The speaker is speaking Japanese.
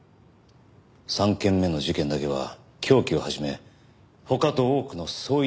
３件目の事件だけは凶器を始め他と多くの相違点があった。